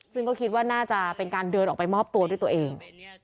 ซึ่งก็คิดว่าน่าจะเป็นการเดินออกไปมอบตัวด้วยตัวเอง